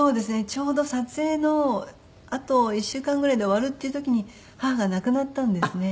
ちょうど撮影のあと１週間ぐらいで終わるっていう時に母が亡くなったんですね。